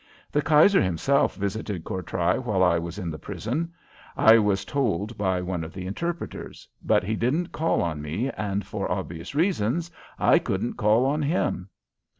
The Kaiser himself visited Courtrai while I was in the prison, I was told by one of the interpreters, but he didn't call on me and, for obvious reasons, I couldn't call on him.